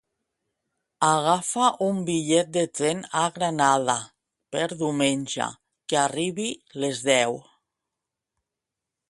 Agafa un bitllet de tren a Granada per diumenge, que arribi les deu.